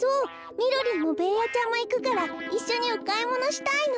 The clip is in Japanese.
みろりんもベーヤちゃんもいくからいっしょにおかいものしたいの。